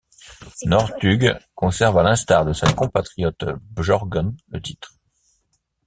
Northug conserve à l'instar de sa compatriote Bjørgen le titre.